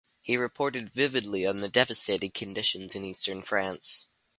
He reported vividly on the devastated conditions in eastern France.